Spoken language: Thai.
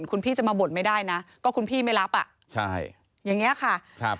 คุณพี่จะมาบ่นไม่ได้นะก็คุณพี่ไม่รับอ่ะอย่างนี้ค่ะ